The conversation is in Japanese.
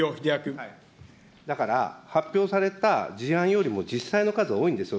だから、発表された事案よりも実際の数、多いんですよ。